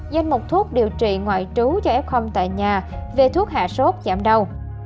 dành một thuốc điều trị ngoại trú cho f tại nhà về thuốc hạ sốt giảm đau